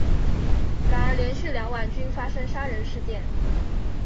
然而连续两晚均发生杀人事件。